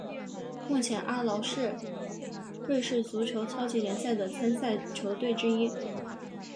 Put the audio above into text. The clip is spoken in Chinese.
目前阿劳是瑞士足球超级联赛的参赛球队之一。